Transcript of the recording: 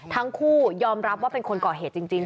ทั้งคู่ยอมรับว่าเป็นคนก่อเหตุจริง